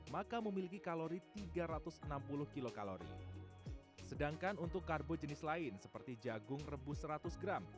maka memiliki kalori tiga ratus enam puluh klori sedangkan untuk karbo jenis lain seperti jagung rebus seratus gram